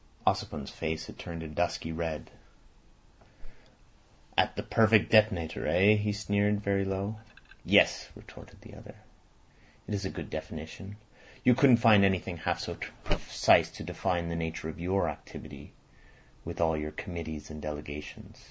Ossipon's face had turned dusky red. "At the perfect detonator—eh?" he sneered, very low. "Yes," retorted the other. "It is a good definition. You couldn't find anything half so precise to define the nature of your activity with all your committees and delegations.